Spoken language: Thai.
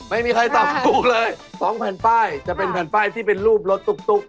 ไม่มีใครตอบถูกเลย๒แผ่นป้ายจะเป็นแผ่นป้ายที่เป็นรูปรถตุ๊ก